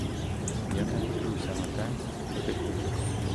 Я не годжуся на те, що ти хочеш.